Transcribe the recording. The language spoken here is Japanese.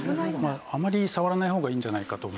あまり触らない方がいいんじゃないかと思いますね。